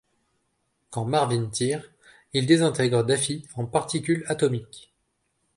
Quand Marvin tire, il désintègre Daffy en particules atomiques.